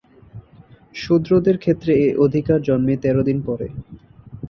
শূদ্রদের ক্ষেত্রে এ অধিকার জন্মে তেরোদিন পরে।